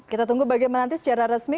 kita tunggu bagaimana nanti secara resmi